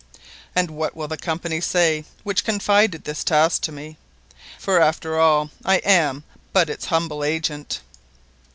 And what will the Company say which confided this task to me, for after all I am` but its humble agent."